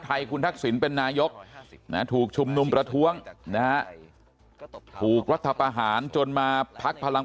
คุณทักษิณเป็นนายกถูกชุมนุมประท้วงนะฮะถูกรัฐประหารจนมาพักพลัง